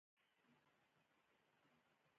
غلا ګناه ده.